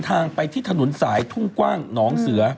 แล้วไปส่งฟาร์มนะนี่แหละต